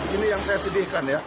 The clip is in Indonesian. ini yang saya sedihkan ya